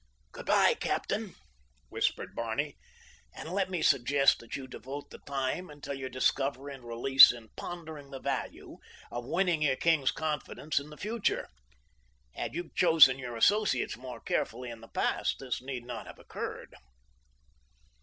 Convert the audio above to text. "Good bye, captain," whispered Barney, "and let me suggest that you devote the time until your discovery and release in pondering the value of winning your king's confidence in the future. Had you chosen your associates more carefully in the past, this need not have occurred."